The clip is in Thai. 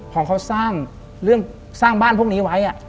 พอเขาสร้างบ้านพวกนี้ไว้อะ